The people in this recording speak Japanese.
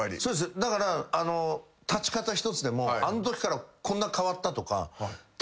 だから立ち方一つでもあのときからこんな変わったとか。